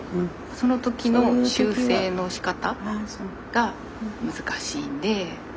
その時の修正のしかたが難しいんで。